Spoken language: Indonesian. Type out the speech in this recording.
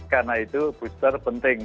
karena itu booster penting